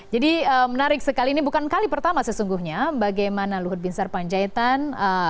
jadi menarik sekali ini bukan kali pertama sesungguhnya bagaimana luhut bin serpanjaitan